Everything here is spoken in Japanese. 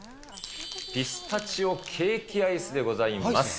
ピスタチオケーキアイスでございます。